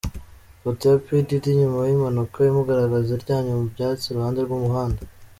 Ifoto ya P Diddy nyuma y’impanuka, imugaragaza aryamye mu byatsi iruhande rw’umuhanda.